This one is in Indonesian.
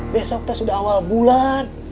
besok sudah awal bulan